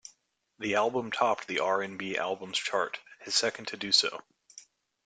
The album topped the R and B albums chart, his second to do so.